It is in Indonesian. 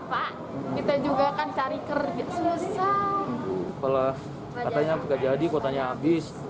pak kita juga akan cari kerja susah kepala katanya bekerja jadi kotanya habis